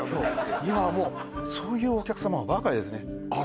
昔今はもうそういうお客様ばかりですねあっ